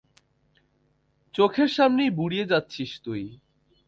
চোখের সামনেই বুড়িয়ে যাচ্ছিস তুই।